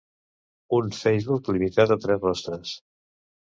Un Facebook limitat a tres rostres.